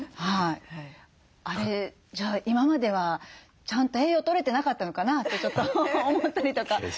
あれじゃあ今まではちゃんと栄養とれてなかったのかなってちょっと思ったりとかしますけど。